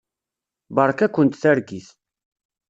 Beṛka-kent targit.